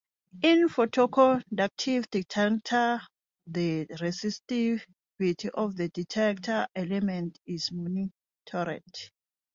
In photoconductive detectors, the resistivity of the detector element is monitored.